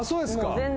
全然。